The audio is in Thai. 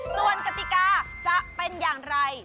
ส่วนกติกาจะเป็นอย่างไร